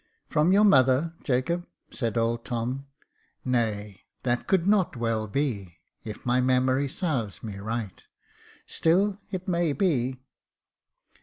" From your mother, Jacob !" said old Tom. *' Nay, that could not well be, if my memory sarves me right. Still it may be."